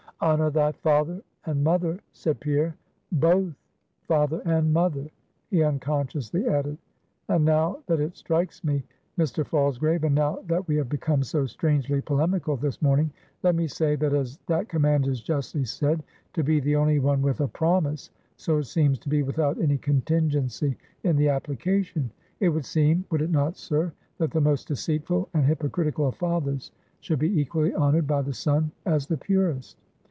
"'Honor thy father and mother;'" said Pierre "both father and mother," he unconsciously added. "And now that it strikes me, Mr. Falsgrave, and now that we have become so strangely polemical this morning, let me say, that as that command is justly said to be the only one with a promise, so it seems to be without any contingency in the application. It would seem would it not, sir? that the most deceitful and hypocritical of fathers should be equally honored by the son, as the purest."